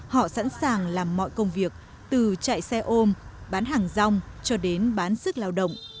họ sẵn sàng làm mọi công việc từ chạy xe ôm bán hàng rong cho đến bán sức lao động